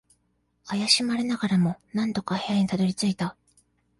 怪しまれながらも、なんとか部屋にたどり着いた。